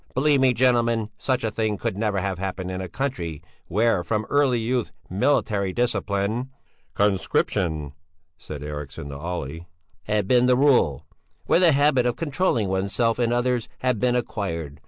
Believe me, gentlemen, such a thing could never have happened in a country where from early youth military discipline...." "Conscription," said Eriksson to Olle. "... had been the rule; where the habit of controlling oneself and others had been acquired!